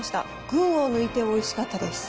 群を抜いておいしかったです。